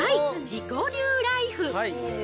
自己流ライフ。